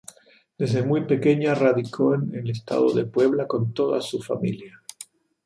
Desde muy pequeña radicó en el estado de Puebla con toda su familia.